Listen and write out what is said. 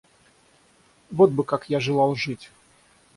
Вот бы как я желал жить!